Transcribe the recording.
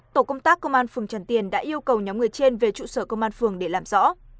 tổ công tác công an phường trần tiền đã yêu cầu nhóm người trên về trụ sở công an phường để làm rõ